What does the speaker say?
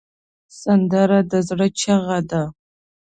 سندره د زړه چیغه ده